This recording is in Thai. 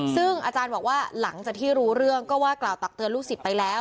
ซึ่งอาจารย์บอกว่าหลังจากที่รู้เรื่องก็ว่ากล่าวตักเตือนลูกศิษย์ไปแล้ว